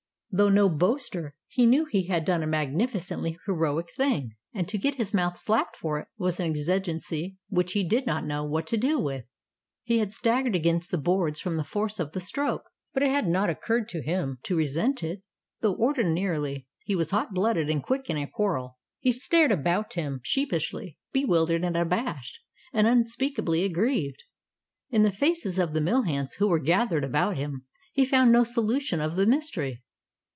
Though no boaster, he knew he had done a magnificently heroic thing, and to get his mouth slapped for it was an exigency which he did not know what to do with. He had staggered against the boards from the force of the stroke, but it had not occurred to him to resent it, though ordinarily he was hot blooded and quick in a quarrel. He stared about him sheepishly, bewildered and abashed, and unspeakably aggrieved. In the faces of the mill hands who were gathered about him, he found no solution of the mystery.